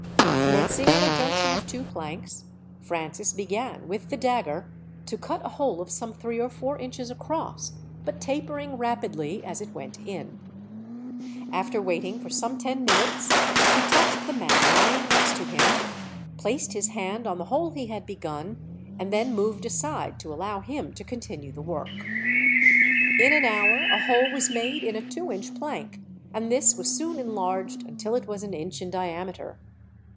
Commencing at a junction of two planks, Francis began, with the dagger, to cut a hole of some three or four inches across, but tapering rapidly as it went in. After waiting for some ten minutes, he touched the man lying next to him, placed his hand on the hole he had begun, and then moved aside to allow him to continue the work. In an hour a hole was made in a two inch plank, and this was soon enlarged until it was an inch in diameter.